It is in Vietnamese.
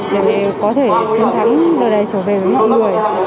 để có thể chiến thắng nơi này trở về với mọi người